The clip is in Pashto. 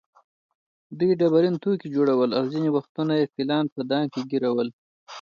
دوی ډبرین توکي جوړول او ځینې وختونه یې فیلان په دام کې ګېرول.